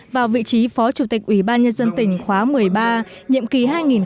vào vị trí phó chủ tịch ubnd khóa một mươi ba nhiệm kỳ hai nghìn một mươi sáu hai nghìn hai mươi một